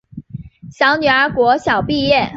小女儿国小毕业